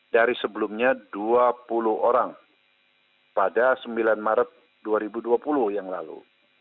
dari sebelumnya dua puluh orang pada sembilan maret dua ribu dua puluh yang lalu